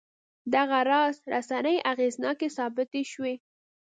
دغه راز رسنۍ اغېزناکې ثابتې شوې.